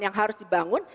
yang harus dibangun